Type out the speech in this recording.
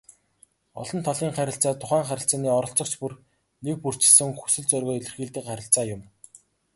Олон талын харилцаа тухайн харилцааны оролцогч бүр нэгбүрчилсэн хүсэл зоригоо илэрхийлдэг харилцаа юм.